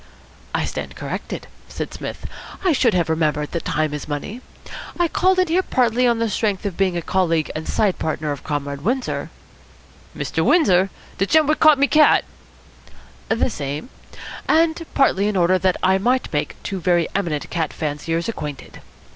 "I stand corrected," said Psmith. "I should have remembered that time is money. I called in here partly on the strength of being a colleague and side partner of Comrade Windsor " "Mr. Windsor! De gent what caught my cat?" "The same and partly in order that I might make two very eminent cat fanciers acquainted.